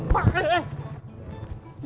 pak eh eh